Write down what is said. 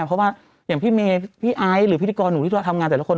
เพราะว่าอย่างพี่เมย์พี่ไอซ์หรือพิธีกรหนูที่ทำงานแต่ละคน